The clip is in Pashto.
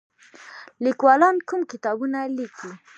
لیکوالان کوم کتابونه لیکي؟